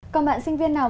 còn bạn sinh viên nào